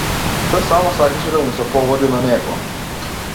Тој само сакаше да му се погоди на него.